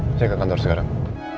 saya ke kantor sekarang